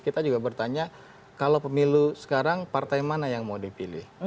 kita juga bertanya kalau pemilu sekarang partai mana yang mau dipilih